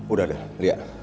udah deh lia